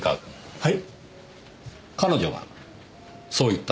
はい。